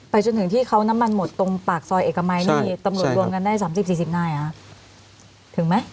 จนถึงที่เขาน้ำมันหมดตรงปากซอยเอกมัยนี่ตำรวจรวมกันได้๓๐๔๐นายเหรอถึงไหม